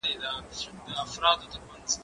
زه اوس لیکل کوم؟!